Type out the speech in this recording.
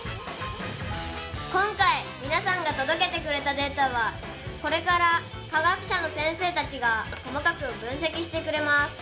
今回、みなさんが届けてくれたデータはこれから科学者の先生たちが細かく分析してくれます。